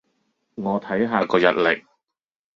我睇下個日曆